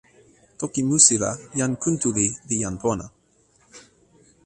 toki musi la, jan Kuntuli li jan pona.